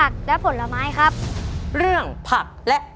ครับ